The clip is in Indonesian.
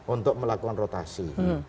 untuk melakukan rotasi